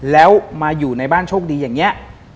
แล้วมาอยู่ในบ้านโชคดีอย่างนี้